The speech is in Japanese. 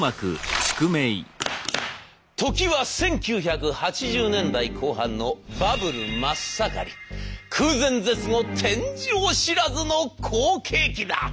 時は１９８０年代後半の空前絶後天井知らずの好景気だ。